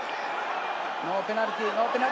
ノーペナルティー。